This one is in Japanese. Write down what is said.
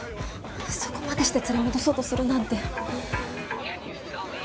そこまでして連れ戻そうとするなんて。